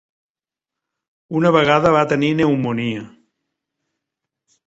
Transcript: Una vegada va tenir pneumònia.